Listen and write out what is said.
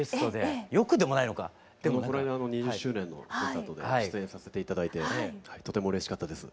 でもこないだ２０周年のコンサートで出演させて頂いてとてもうれしかったです。